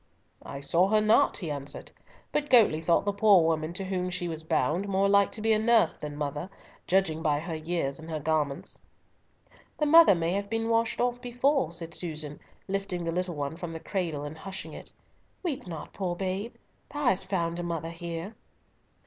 "I saw her not," he answered, "but Goatley thought the poor woman to whom she was bound more like to be nurse than mother, judging by her years and her garments." "The mother may have been washed off before," said Susan, lifting the little one from the cradle, and hushing it. "Weep not, poor babe, thou hast found a mother here."